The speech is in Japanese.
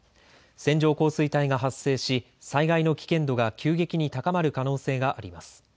線状降水帯が発生し災害の危険度が急激に高まる可能性があります。